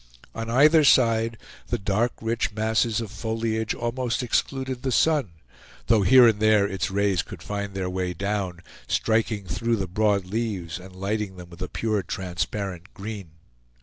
On either side the dark rich masses of foliage almost excluded the sun, though here and there its rays could find their way down, striking through the broad leaves and lighting them with a pure transparent green.